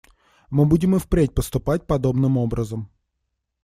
Мы будем и впредь поступать подобным образом.